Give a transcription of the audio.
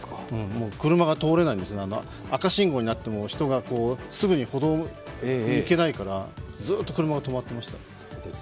車が通れないんですね、赤信号になっても人がすぐに歩道に行けないからずっと車が止まっていました。